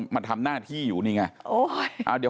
มาทำหน้าที่อยู่นี่ไง